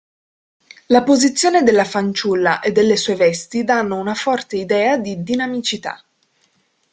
La posizione della fanciulla e delle sue vesti danno una forte idea di dinamicità.